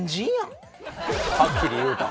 はっきり言うた。